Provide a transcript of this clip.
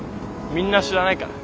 みんな知らないから。